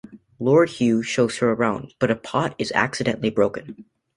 Lord Hugh shows her around but a pot is accidentally broken.